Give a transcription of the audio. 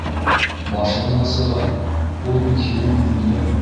Башыңдан сығар - ул бит һинең... һеңлең!